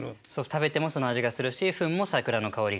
食べてもその味がするしフンも桜の香りがして。